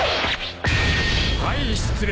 はい失礼。